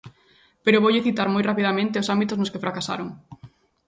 Pero voulle citar moi rapidamente os ámbitos nos que fracasaron.